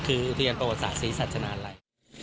อุทยานประแวทศาสตร์ศรีศัทธานาะลาย